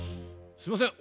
すいません。